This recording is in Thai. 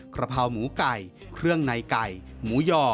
กระเพราหมูไก่เครื่องในไก่หมูย่อ